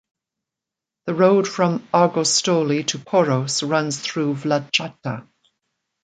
The road from Argostoli to Poros runs through Vlachata.